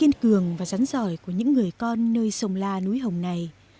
hà tĩnh là một trong những tác giả rất giỏi của những người con nơi sông la núi hồng này